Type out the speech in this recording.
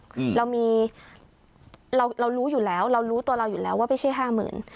อืมเรามีเราเรารู้อยู่แล้วเรารู้ตัวเราอยู่แล้วว่าไม่ใช่ห้าหมื่น